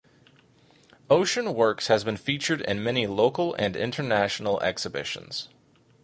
Oshun works has been featured in many local and international exhibitions.